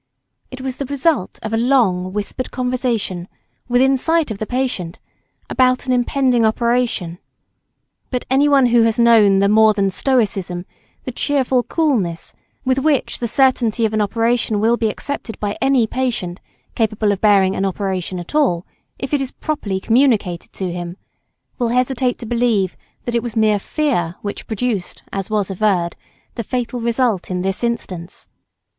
It was the result of a long whispered conversation, within sight of the patient, about an impending operation; but any one who has known the more than stoicism, the cheerful coolness, with which the certainty of an operation will be accepted by any patient, capable of bearing an operation at all, if it is properly communicated to him, will hesitate to believe that it was mere fear which produced, as was averred, the fatal result in this instance.